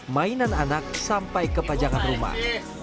mainan anak sampai ke pajangan rumah